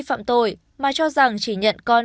phạm tội mà cho rằng chỉ nhận con